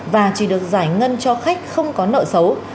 và chỉ được giải ngân cho khách không có nợ xấu